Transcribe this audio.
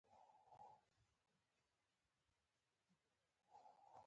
د پیاوړتیا د راتلونکو پروسو لپاره لار پرانیستل شي.